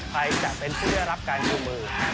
ใครจะเป็นพี่รับการคู่มือ